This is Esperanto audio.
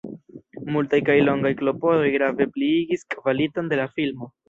Multaj kaj longaj klopodoj grave pliigis kvaliton de la filmo.